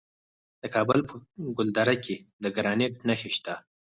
د کابل په ګلدره کې د ګرانیټ نښې شته.